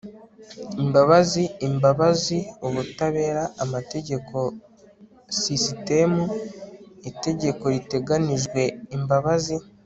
imbabazi imbabazi ubutabera amategekosisitemu itegekoriteganijwe imbabazi